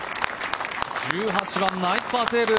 １８番、ナイスパーセーブ。